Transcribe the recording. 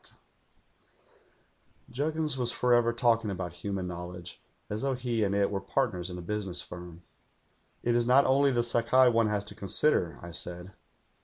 lU THE GHOUL "Juggins was forever talking about human knowl edge, as though he and it were partners in a business firm. '"It is not only the Sakai one has to consider,' I said.